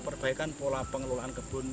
perbaikan pola pengelolaan kebun